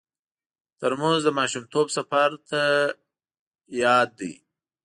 ترموز د ماشومتوب سفر ته یاد دی.